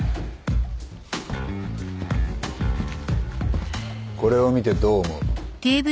これを見てどう思う？